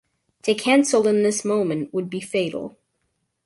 To cancel in this moment would be fatal.